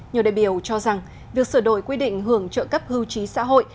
nhiều đại biểu cho rằng việc sửa đổi quy định hưởng trợ cấp hưu trí xã hội